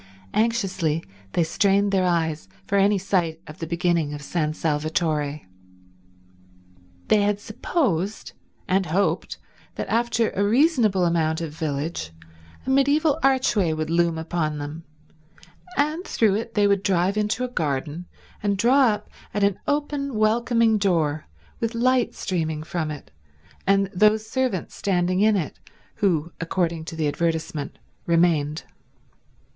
Anxiously they strained their eyes for any sight of the beginning of San Salvatore. They had supposed and hoped that after a reasonable amount of village a mediaeval archway would loom upon them, and through it they would drive into a garden and draw up at an open, welcoming door, with light streaming from it and those servants standing in it who, according to the advertisement, remained.